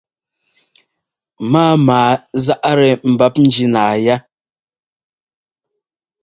Mámaa záʼ-tɛ mbap njínáa yá.